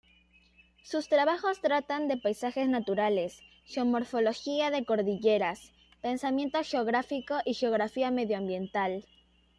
Sus trabajos tratan de paisajes naturales, geomorfología de cordilleras, pensamiento geográfico y geografía medioambiental.